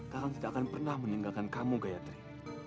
kalian tidak akan pernah meninggalkan kamu gayatri